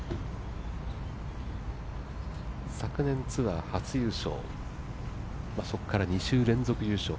昨年ツアー初優勝、そこから２週連続優勝。